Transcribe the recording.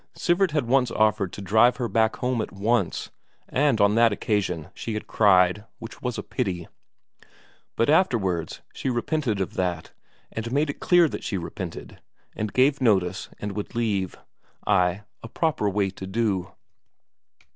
Sivert had once offered to drive her back home at once, and on that occasion she had cried, which was a pity; but afterwards she repented of that, and made it clear that she repented, and gave notice and would leave. Ay, a proper way to do.